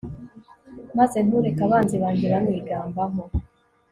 maze ntureke abanzi banjye banyigambaho